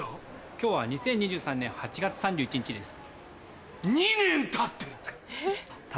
今日は２０２３年８月３１日です。